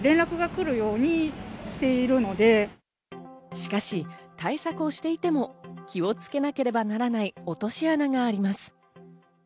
しかし対策をしていても気をつけなければならない落とし穴があります。